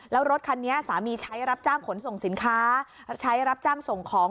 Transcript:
แล้วรถคันนี้สามีใช้รับจ้างขนส่งสินค้าใช้รับจ้างส่งของ